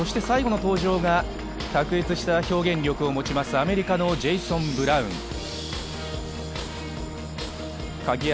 最後の登場が卓越した表現力を持つアメリカのジェイソン・ブラウン。